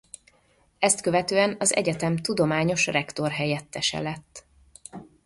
Ezt követően az egyetem tudományos rektorhelyettese lett.